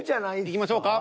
いきましょうか。